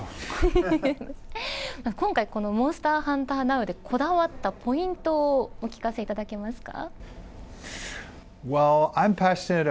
今回モンスターハンターＮｏｗでこだわったポイントをお聞かせいただけますか。